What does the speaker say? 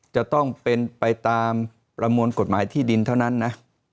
จะต้องเป็นไปตามประมวลกฎหมายที่ดินเท่านั้นนะ